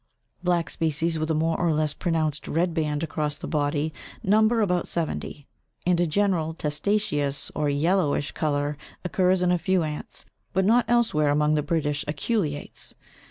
Black species with a more or less pronounced red band across the body number about seventy, and a general testaceous or yellowish colour occurs in a few ants, but not elsewhere among the British aculeates.